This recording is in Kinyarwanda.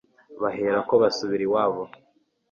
baherako basubira iwabo